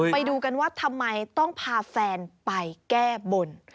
ไปดูกันว่าทำไมต้องพาแฟนไปแก้บน